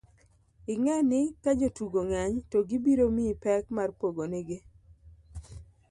ing'e ni kajotugo ng'eny to gibiro miyi pek mar pogo nigi